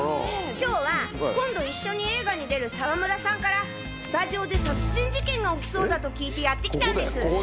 今日は今度一緒に映画に出る沢村さんからスタジオで。と聞いてやって来たんです。